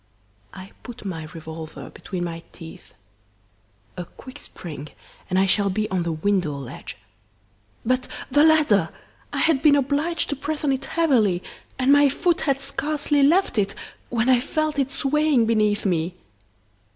I put my revolver between my teeth. A quick spring, and I shall be on the window ledge. But the ladder! I had been obliged to press on it heavily, and my foot had scarcely left it, when I felt it swaying beneath me.